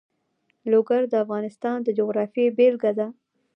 لوگر د افغانستان د جغرافیې بېلګه ده.